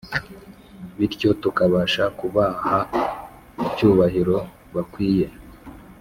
bityo tukabasha kubaha icyubahiro bakwiye,